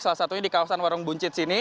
salah satunya di kawasan warung buncit sini